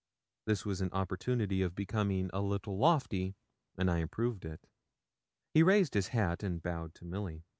This was an opportunity of becoming a little lofty, and I improved it. He raised his hat and bowed to Milly.